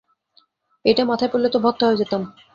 এইটা মাথায় পড়লে তো ভর্তা হয়ে যেতাম।